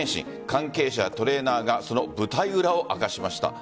関係者やトレーナーがその舞台裏を明かしました。